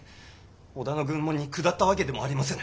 織田の軍門に下ったわけでもありませぬ。